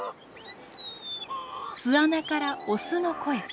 巣穴から雄の声。